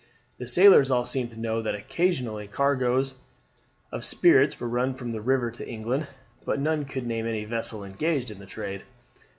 The sailors all seemed to know that occasionally cargoes of spirits were run from the river to England, but none could name any vessel engaged in the trade.